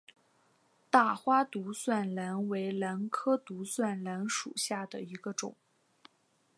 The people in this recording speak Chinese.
大花独蒜兰为兰科独蒜兰属下的一个种。